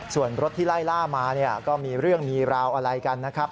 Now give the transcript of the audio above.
ส่วนรถที่ไล่ล่ามาเนี่ยก็มีเรื่องมีราวอะไรกันนะครับ